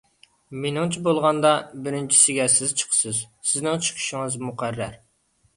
مېنىڭچە بولغاندا، بىرىنچىسىگە سىز چىقىسىز، سىزنىڭ چىقىشىڭىز مۇقەررەر.